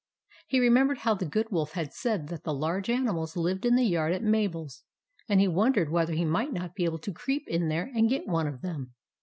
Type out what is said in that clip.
He remembered how the Good Wolf had said that the large animals lived in the yard at Mabel's ; and he won dered whether he might not be able to creep in there and get one of them.